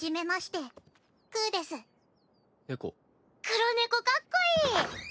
黒猫かっこいい！